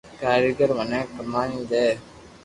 ڪريگر مني ڪماوين دي